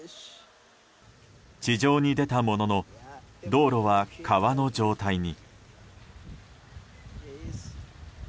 地上に出たものの道路は川の状態に。